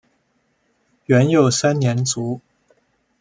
元佑三年卒。